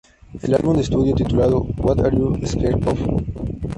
El álbum de estudio, titulado "What Are You So Scared Of?